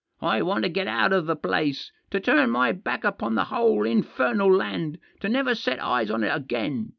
" I want to get out of the place, to turn my back upon the whole infernal land, to never set eyes on it again.